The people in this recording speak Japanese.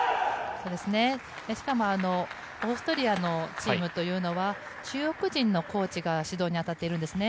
しかもオーストリアのチームというのは、中国人のコーチが指導に当たっているんですね。